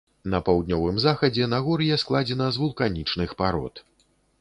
На паўднёвым захадзе нагор'е складзена з вулканічных парод.